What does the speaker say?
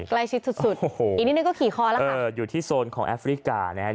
ใกล้ชิดสุดสุดอีกนิดนึงก็ขี่คอแล้วค่ะเอออยู่ที่โซนของแอฟริกาเนี่ย